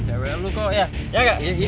saing tuh bodain lagi tuh cewe cewe